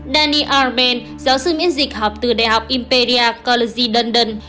danny arben giáo sư biến dịch học từ đại học imperial college london